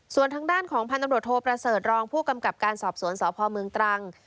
ส่วนทางด้านของพันธ์นรโธ่ประเสริฐรองพกรรมกับการสอบสวนสภเมืองตรังค์